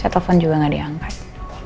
saya telepon juga gak diangkat